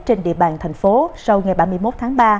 trên địa bàn thành phố sau ngày ba mươi một tháng ba